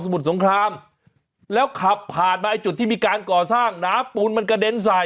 มุดสงครามแล้วขับผ่านมาไอ้จุดที่มีการก่อสร้างน้ำปูนมันกระเด็นใส่